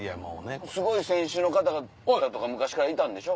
すごい選手の方とか昔からいたんでしょ？